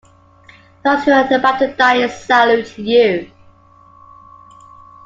Those who are about to die salute you!